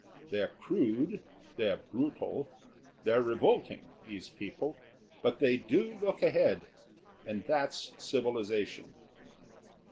They're crude, they're brutal, they're revolting, these people, but they do look ahead, and that's civilisation."